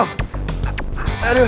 kita pergi dari sini